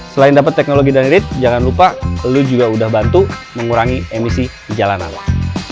selain dapat teknologi dan read jangan lupa lo juga udah bantu mengurangi emisi jalan awal